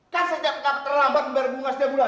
kan saya tidak akan terlambat membayar bunga setiap bulan